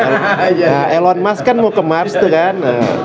elon musk kan mau ke mars tuh kan